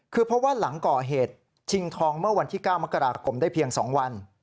คือเพราะว่าหลังก่อเหตุชิงทองเมื่อวันที่๙มกราคมได้เพียง๒วัน